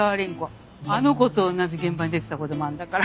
あの子と同じ現場に出てた事もあるんだから。